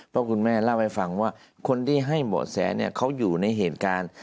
เพราะคุณแม่เล่าให้ฟังว่าคนที่ให้เบาะแสเนี่ยเขาอยู่ในเหตุการณ์